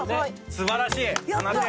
素晴らしい７点。